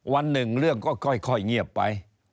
วันหนึ่งเรื่องก็ค่อยเงียบไป